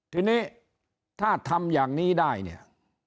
ทีนี้ถ้าทำอย่างนี้ได้เนี่ย